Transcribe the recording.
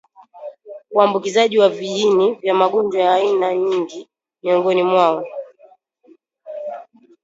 uambukizanaji wa viini vya magonjwa ya aina nyingi miongoni mwao